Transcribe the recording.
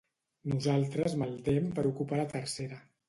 Nosaltres maldem per ocupar la tercera.